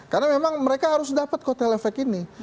karena memang mereka harus dapat kotelefek ini